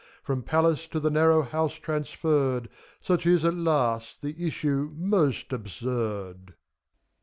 From palace to the narrow house transferred, Such is, at last, the issue most absurd.